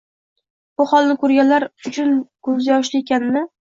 Bu holni ko'rganlar nechun ko'zi yoshli ekanini